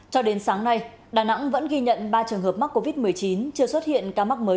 cho đến sáng nay đà nẵng vẫn ghi nhận ba trường hợp mắc covid một mươi chín chưa xuất hiện ca mắc mới